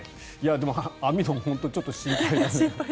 でも、網戸も本当にちょっと心配な。